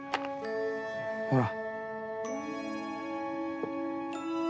ほら。